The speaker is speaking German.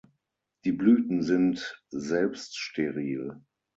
Die Blüten sind selbststeril.